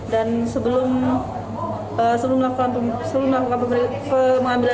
dan sebelum melakukan pengambilan